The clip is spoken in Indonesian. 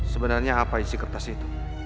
sebenarnya apa isi kertas itu